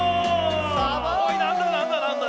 おいなんだなんだなんだ？